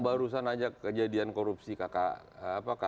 barusan aja kejadian korupsi kakak